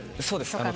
そうです。